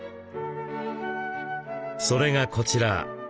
それがこちら。